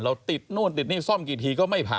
ติดนู่นติดนี่ซ่อมกี่ทีก็ไม่ผ่าน